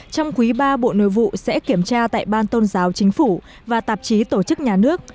trong quý ba bộ nội vụ sẽ kiểm tra tại ban tôn giáo chính phủ và tạp chí tổ chức nhà nước